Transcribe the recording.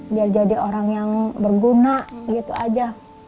biar jadi orang yang berguna gitu aja